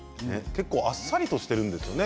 結構あっさりしているんですよね。